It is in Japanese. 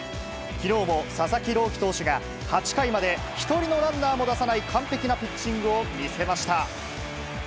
きのうも佐々木朗希投手が、８回まで一人のランナーも出さない完璧なピッチングを見せました。